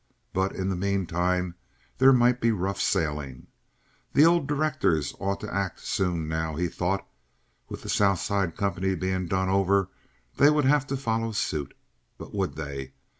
But in the mean time there might be rough sailing. The old directors ought to act soon now, he thought. With the South Side company being done over, they would have to follow suit. But would they?